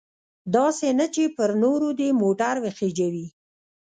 داسې نه چې پر نورو دې موټر وخیژوي.